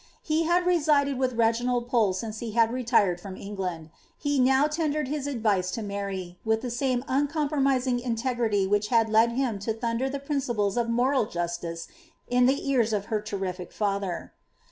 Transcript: He had resided with Rci^inald Pole since he had retired from England ; he now tendered his advice to Mary, with the same uncompromising integrity which had led him to thunder the principles of moral justice in the ears of her terrific father.